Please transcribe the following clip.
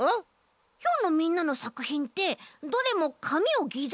きょうのみんなのさくひんってどれもかみをギザギザにしてたよね。